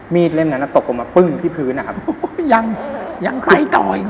มีดเร่มนั้นจบออกมาพึ่งจากที่พื้นครับ